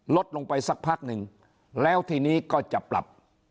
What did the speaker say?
ลดลงไปสักพักหนึ่งแล้วทีนี้ก็จะปรับ